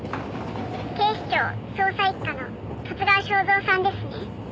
「警視庁捜査一課の十津川省三さんですね？」